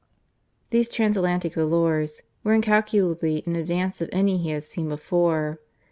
These Transatlantic volors were incalculably in advance of any he had seen before.